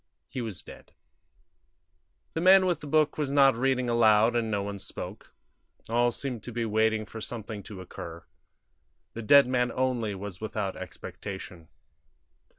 He was dead. The man with the book was not reading aloud, and no one spoke; all seemed to be waiting for something to occur; the dead man only was without expectation.